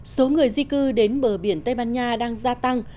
số người di cư đến bờ biển tây ban nha đang gia tăng